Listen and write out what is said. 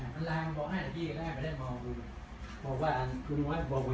ขอมีความรู้สึกว่ามาแรงมันบอกให้ได้บอกเลย